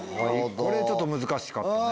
これちょっと難しかったね。